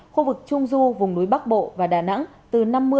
khu vực trung du vùng núi bắc bộ và đà nẵng từ năm mươi đến một trăm hai mươi mm